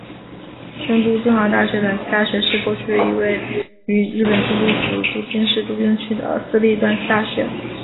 京都精华大学短期大学部是过去一所位于日本京都府京都市左京区的私立短期大学。